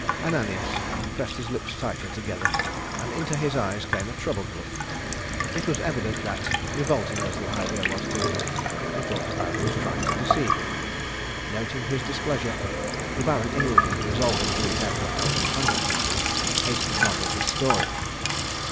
Ananias pressed his lips tightly together, and into his eyes came a troubled look. It was evident that, revolting as the idea was to him, he thought the Baron was trying to deceive him. Noting his displeasure, the Baron inwardly resolving to be careful how he handled the truth, hastened on with his story.